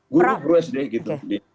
guru sd gitu